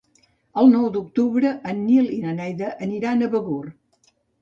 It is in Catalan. El nou d'octubre en Nil i na Neida aniran a Begur.